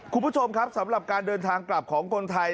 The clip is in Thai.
คุณผู้ชมครับสำหรับการเดินทางกลับของคนไทย